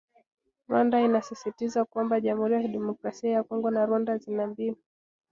Rwanda inasisitizwa kwamba jamhuri ya kidemokrasia ya Kongo na Rwanda zina mbinu